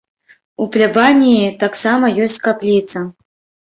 У плябаніі таксама ёсць капліца.